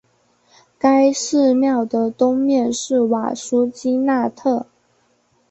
该寺庙的东面是瓦苏基纳特。